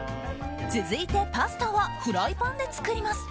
続いて、パスタはフライパンで作ります。